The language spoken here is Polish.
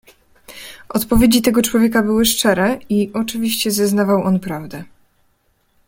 "Odpowiedzi tego człowieka były szczere i, oczywiście, zeznawał on prawdę."